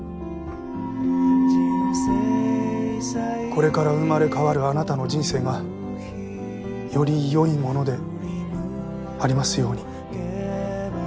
これから生まれ変わるあなたの人生がより良いものでありますように。